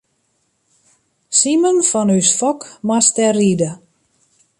Simen fan ús Fok moast dêr ride.